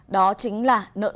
đó chính là nợ xấu